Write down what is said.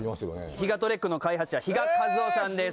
ヒガトレックの開発者比嘉一雄さんです。